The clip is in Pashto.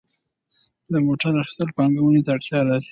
د موټر اخیستل پانګونې ته اړتیا لري.